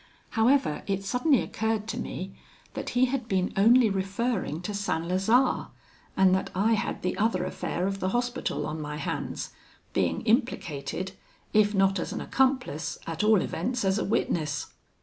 However, it suddenly occurred to me, that he had been only referring to St. Lazare, and that I had the other affair of the Hospital on my hands; being implicated, if not as an accomplice, at all events as a witness.